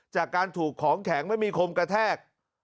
จากการถูกของแข็งไม่มีคมกระแทก